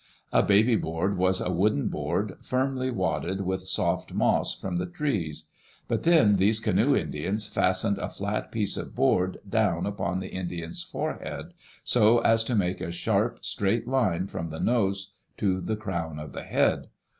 A baby board was a wooden board, firmly wadded with soft moss from the trees. But then these canoe Indians fastened a flat piece of board down upon the baby's forehead, so as to make a sharp, straight line from the nose to the crown of the head.